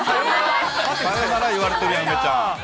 さよなら言われてるやん、梅ちゃん。